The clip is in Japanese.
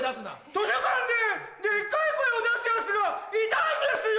図書館でデッカい声を出すヤツがいたんですよ。